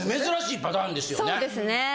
珍しいパターンですよね。